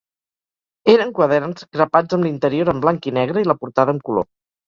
Eren quaderns grapats amb l'interior amb blanc i negre i la portada amb color.